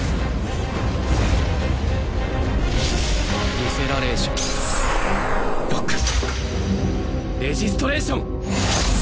ディセラレーションロックレジストレーション！